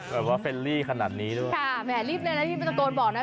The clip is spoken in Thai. เฟรลี่ขนาดนี้ด้วยค่ะแหมรีบเลยนะพี่มันตะโกนบอกนะ